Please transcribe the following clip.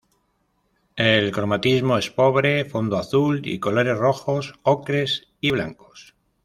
El cromatismo es pobre: fondo azul y colores rojos, ocres y blancos.